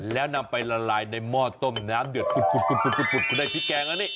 แล้วนำไปละลายในหม้อต้มน้ำเดือดคุณได้พริกแกงแล้วนี่